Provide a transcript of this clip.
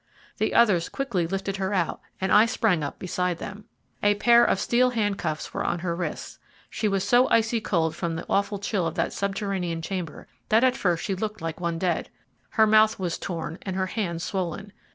The others quickly lifted her out, and I sprang up beside them. A pair of steel hand cuffs were on her wrists. She was so icy cold from the awful chill of that subterranean chamber, that at first she looked like one dead. Her mouth was torn and her hands swollen.